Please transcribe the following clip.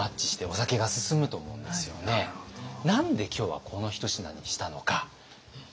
何で今日はこの一品にしたのかご覧頂きます。